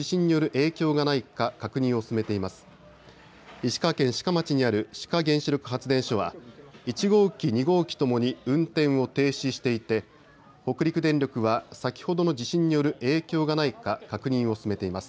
石川県志賀町にある志賀原子力発電所は１号機２号機ともに運転を停止していて北陸電力は、先ほどの地震による影響がないか確認を進めています。